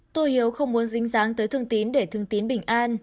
tổ hiếu không muốn dinh dáng tới thương tín để thương tín bình an